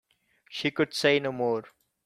She could say no more.